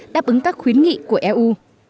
đáp ứng các khuyến nghị của eu